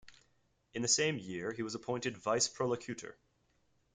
In the same year he was appointed Vice Prolocutor.